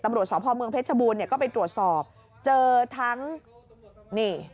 ตำรวจสพเมืองเพชรบูรณเนี่ยก็ไปตรวจสอบเจอทั้งนี่